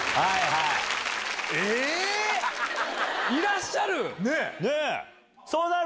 いらっしゃる？